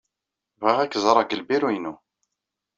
Bɣiɣ ad k-ẓreɣ deg lbiru-inu.